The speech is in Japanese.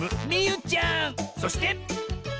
そして！